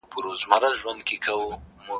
يا په دار لكه منصور يا به سنگسار وي